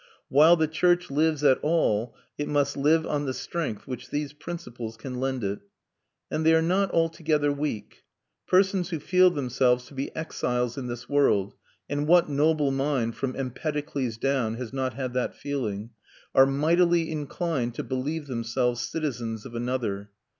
While the church lives at all, it must live on the strength which these principles can lend it. And they are not altogether weak. Persons who feel themselves to be exiles in this world and what noble mind, from Empedocles down, has not had that feeling? are mightily inclined to believe themselves citizens of another.